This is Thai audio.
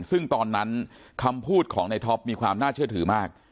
ซึ่งตอนนั้นคำพูดของในท็อปมีความน่าเชื่อถือมาก